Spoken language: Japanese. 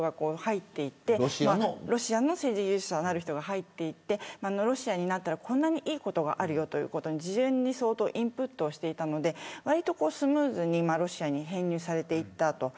政治技術者なる人が入っていってロシアになったらこんなにいいことがあるよと事前に相当インプットしていたので割りとスムーズにロシアに編入されていったと。